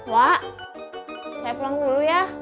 wah saya pulang dulu ya